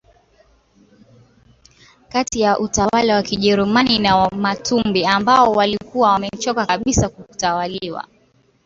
kati ya utawala wa kijerumani na Wamatumbi ambao walikuwa wamechoka kabisa kutawaliwa